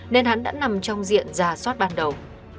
nên hắn đã nằm trong diện ra sót ban đầu